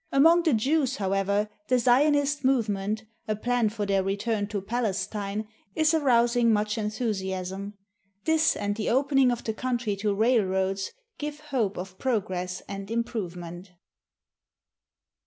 Among the Jews, however, the Zionist move ment, a plan for their return to Palestine, is arousing much enthusiasm. This and the opening of the country to rail roads give hope of progress and improvement.